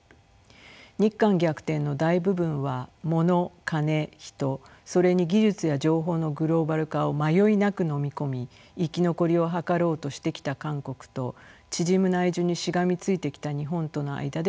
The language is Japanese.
日韓逆転の大部分はモノカネヒトそれに技術や情報のグローバル化を迷いなくのみ込み生き残りを図ろうとしてきた韓国と縮む内需にしがみついてきた日本との間で生じました。